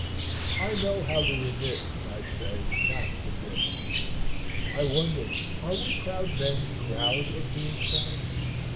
I know how to remit, I say, not forgive. I wonder are we proud men proud of being proud?